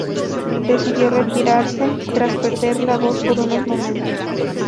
Decidió retirarse tras perder la voz por unos momentos.